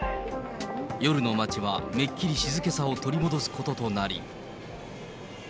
夜の街はめっきり静けさを取り戻すこととなり。